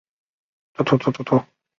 还担任其教育部长。